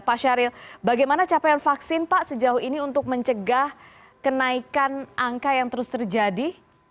pak syahril bagaimana capaian vaksin pak sejauh ini untuk mencegah kenaikan angka yang terus terjadi